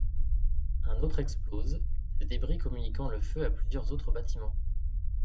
Un autre explose, ses débris communiquant le feu à plusieurs autres bâtiments.